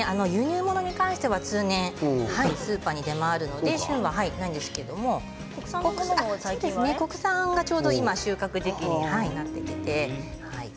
輸入物に関しては通年スーパーに出回るので旬はないんですけれど国産がちょうど今収穫時期になっています。